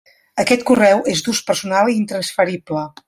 Aquest correu és d'ús personal i intransferible.